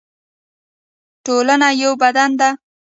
ټولنه یو بدن دی